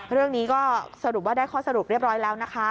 เรื่องนี้ก็สรุปว่าได้ข้อสรุปเรียบร้อยแล้วนะคะ